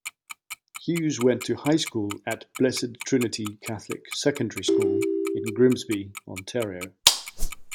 Hughes went to high school at Blessed Trinity Catholic Secondary School in Grimsby, Ontario.